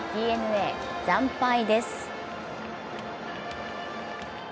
ＤｅＮＡ、惨敗です。